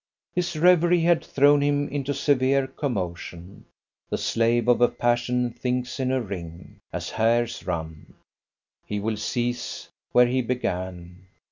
His reverie had thrown him into severe commotion. The slave of a passion thinks in a ring, as hares run: he will cease where he began.